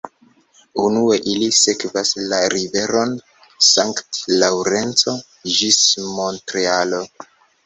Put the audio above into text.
Unue ili sekvas la riveron Sankt-Laŭrenco ĝis Montrealo.